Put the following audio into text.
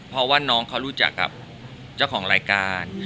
เพราะว่าน้องเขารู้จักกับเจ้าของรายการ